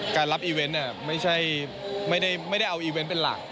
รับอีเวนต์ไม่ได้เอาอีเวนต์เป็นหลัก